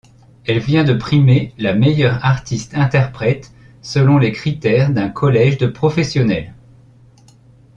Elle vient primer la meilleure artiste interprète selon les critères d'un collège de professionnels.